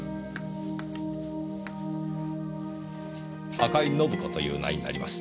赤井のぶ子という名になります。